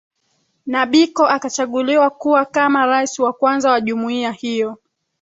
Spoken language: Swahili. Na Biko akachaguliwa kuwa kama rais wa kwanza wa juimuiya hiyo